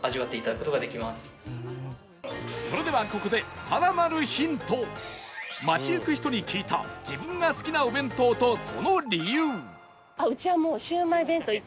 それではここで街行く人に聞いた自分が好きなお弁当とその理由